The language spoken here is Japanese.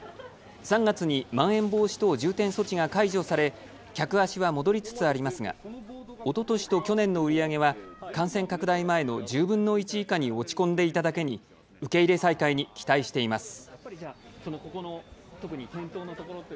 ３月にまん延防止等重点措置が解除され客足は戻りつつありますがおととしと去年の売り上げは感染拡大前の１０分の１以下に落ち込んでいただけに受け入れ再開に期待しています。